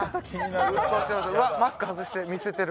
マスク外して見せてる！